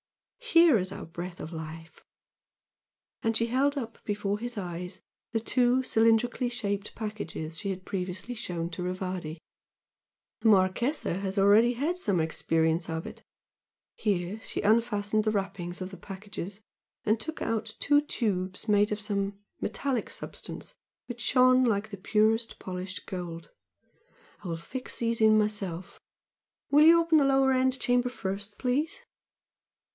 Here is our breath of life!" And she held up before his eyes the two cylindrically shaped packages she had previously shown to Rivardi "The Marchese has already had some experience of it" here she unfastened the wrappings of the packages, and took out two tubes made of some metallic substance which shone like purest polished gold "I will fix these in myself will you open the lower end chamber first, please?"